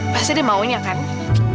pasti ada maunya kan